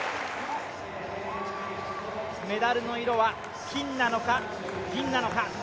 メダルの色は金なのか、銀なのか。